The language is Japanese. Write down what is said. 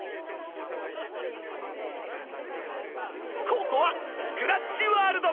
ここはスクラッチワールド！